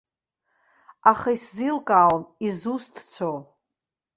Аха исзеилкаауам изусҭцәоу.